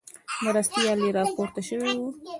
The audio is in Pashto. مرستیال یې راپورته شوی وو.